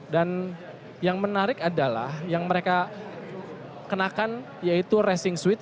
dan yang menarik adalah yang mereka kenakan yaitu racing switch